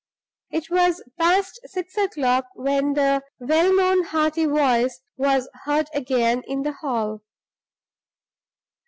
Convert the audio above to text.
It was past six o'clock when the well known hearty voice was heard again in the hall.